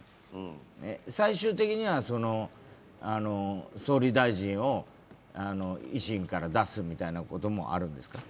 最終的には総理大臣を維新から出すみたいなこともあるわけですか？